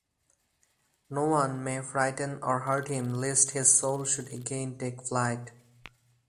No one may frighten or hurt him lest his soul should again take flight.